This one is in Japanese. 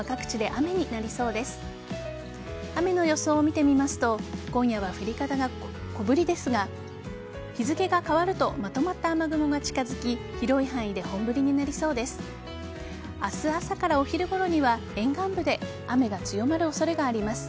雨の予想を見てみますと今夜は降り方が小降りですが日付が変わるとまとまった雨雲が近づき広い範囲で本降りになりそうです。